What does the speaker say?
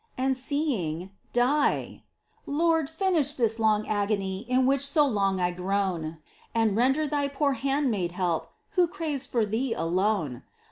And seeing — die ! Lord, ñnish this long agony In which so long I groan. And render Thy poor handmaid help, Who craves for Thee alone